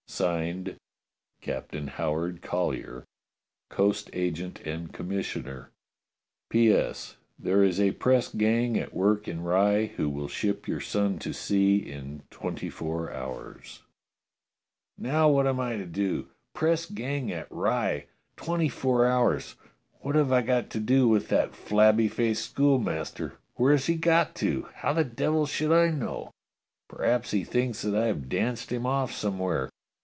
[Signed] "Captain Howard Collyer, "Coast Agent and Commissioner. "P.S. There is a press gang at work in Rye who will ship your son to sea in twenty four hours." 232 DOCTOR SYN "Nowwhatamltodo? Press gang at Rye ! Twenty four hours! What have I got to do with that flabby faced schoolmaster? Where's he got to? How the devil should I know? P'raps he thinks that I have danced him off somewhere.